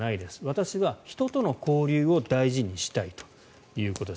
私は人との交流を大事にしたいということです。